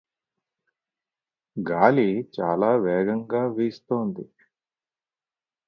గాలి చాలా వేగంగా వీస్తోంది.